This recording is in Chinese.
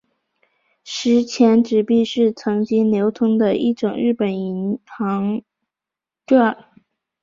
十钱纸币是曾经流通的一种日本银行券。